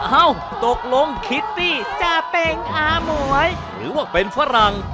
เอ้าตกลงคิตตี้จะเป็นอาหมวยหรือว่าเป็นฝรั่ง